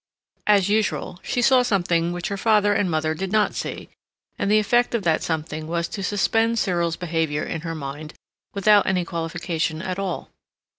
As usual, she saw something which her father and mother did not see, and the effect of that something was to suspend Cyril's behavior in her mind without any qualification at all.